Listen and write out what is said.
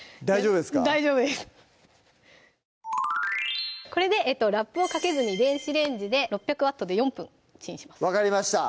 大丈夫ですこれでラップをかけずに電子レンジで６００Ｗで４分チンします